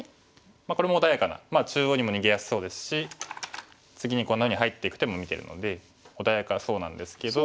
これも穏やかな中央にも逃げやすそうですし次にこんなふうに入っていく手も見てるので穏やかそうなんですけど。